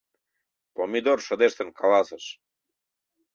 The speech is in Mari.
— Помидор шыдештын каласыш.